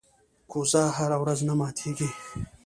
کوزه هره ورځ نه ماتېږي.